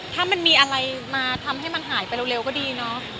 ถ้ามันมีอะไรมาทำให้มันหายไปเร็วก็ดีเนาะ